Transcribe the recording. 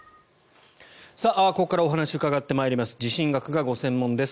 ここからお話を伺ってまいります地震学がご専門です。